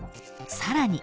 ［さらに］